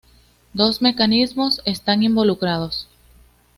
Dos mecanismos están involucrados.